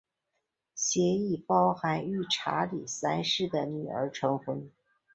协议包含与查理三世的女儿成婚。